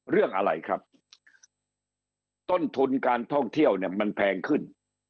เรื่องอะไรครับต้นทุนการท่องเที่ยวเนี่ยมันแพงขึ้น